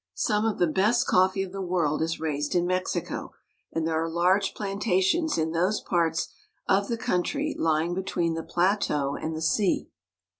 Some of the best coffee of the world is raised in Mexico, and there are large plantations in those parts of the country lying between the plateau and the sea.